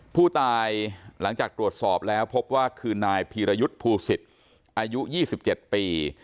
ผู้ตายหลังจากตรวจสอบแล้วพบว่าคือนายพีรยุทธ์ภูสิตอายุ๒๗ปี